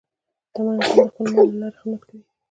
شتمن انسان د خپل مال له لارې خدمت کوي.